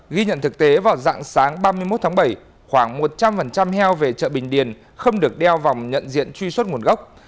ghi nhận thực tế vào dạng sáng ba mươi một tháng bảy khoảng một trăm linh heo về chợ bình điền không được đeo vòng nhận diện truy xuất nguồn gốc